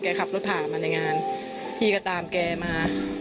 ขับรถผ่านมาในงานพี่ก็ตามแกมา